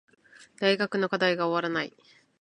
大学の課題が終わらない